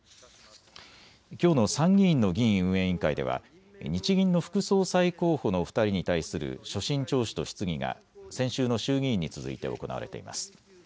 きょうの参議院の議員運営委員会では日銀の副総裁候補の２人に対する所信聴取と質疑が先週の衆議院に続いて行われています。